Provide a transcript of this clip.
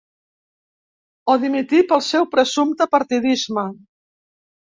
O dimitir pel seu presumpte partidisme.